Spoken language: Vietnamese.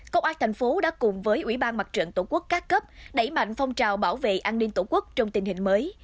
công an thành phố đã cùng với ủy ban mặt trận tổ quốc các cấp đẩy mạnh phong trào bảo vệ an ninh tổ quốc trong tình hình mới